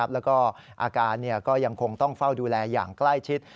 แล้วก็อาการก็ยังคงต้องเฝ้าดูแลอย่างใกล้ชิด